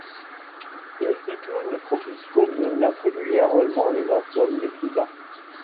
Les cyclones tropicaux menacent régulièrement les atolls les plus bas.